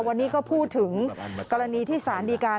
วันนี้ก็พูดถึงกรณีที่สารดีการ